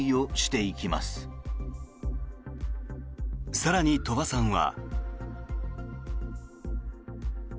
更に、鳥羽さんは。